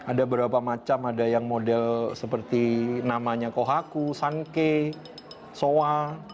ada beberapa macam ada yang model seperti namanya kohaku sanke soa